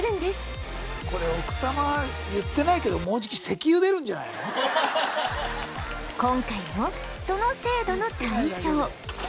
これ奥多摩言ってないけど今回もその制度の対象